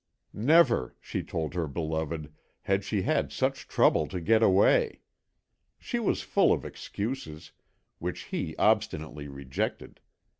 Never, she told her beloved, had she had such trouble to get away. She was full of excuses, which he obstinately rejected.